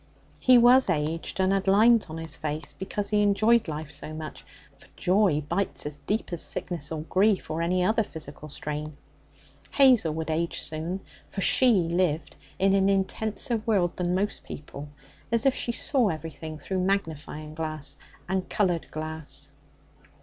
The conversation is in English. He was aged and had lines on his face because he enjoyed life so much, for joy bites as deep as sickness or grief or any other physical strain. Hazel would age soon, for she lived in an intenser world than most people, as if she saw everything through magnifying glass and coloured glass.